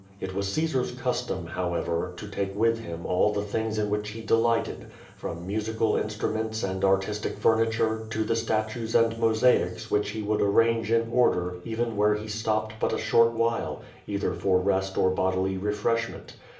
It was Caesar's custom, however, to take with him all the things in which he delighted, from musical instru ments and artistic furniture to the statues and mosaics which he would arrange in order even where he stopped but a short while, either for rest or bodily refreshment.